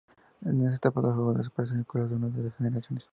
En esta etapa del juego desaparece un color de una de las generaciones.